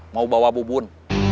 mau bawa bubun